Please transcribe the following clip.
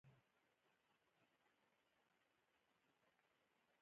بوټونه د نوي فیشن نښه ده.